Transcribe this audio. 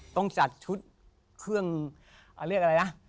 ต้องจัดชุดเครื่องเรียกอะไรนะ